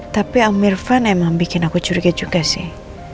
tapi om irfan memang bikin aku curiga juga sih